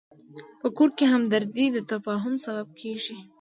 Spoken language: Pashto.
په کور کې همدردي د تفاهم سبب کېږي.